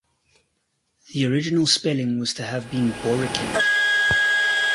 The original spelling was to have been Borrikin.